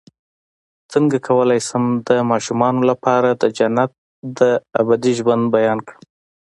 څنګه کولی شم د ماشومانو لپاره د جنت د ابدي ژوند بیان کړم